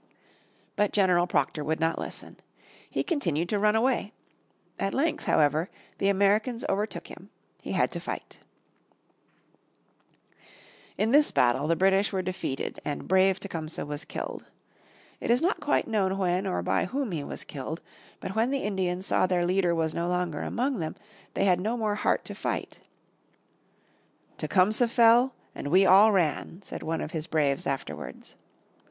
But General Proctor would not listen. He continued to run away. At length, however, the Americans overtook him, he had to fight. In Battle of the Thames, Oct. 5, 1813, the British were defeated and brave Tecumseh was killed. It is not quite known when or by whom he was killed. But when the Indians saw their leader was no longer among them they had no more heart to fight. "Tecumseh fell and we all ran," said one of his braves afterwards.